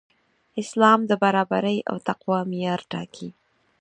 اسلام د برابرۍ او تقوی معیار ټاکي.